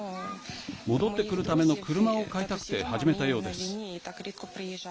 戻ってくるための車を買いたくて始めたようです。